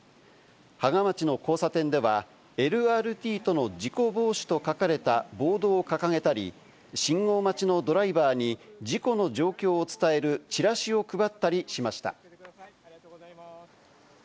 芳賀町の交差点では、ＬＲＴとの事故防止と書かれたボードを掲げたり、信号待ちのドライバーに事故の状況を伝えるチラシを配ったりしました。